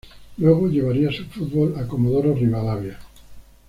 Luego llevaría su fútbol a Comodoro Rivadavia.